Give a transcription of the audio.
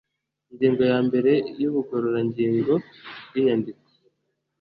ingingo ya mbere y ubugororangingo bw inyandiko